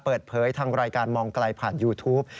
เปิดเผยทางรายการมองไกลผ่านยูทูป